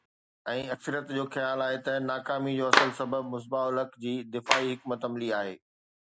۽ اڪثريت جو خيال آهي ته ناڪامي جو اصل سبب مصباح الحق جي دفاعي حڪمت عملي آهي.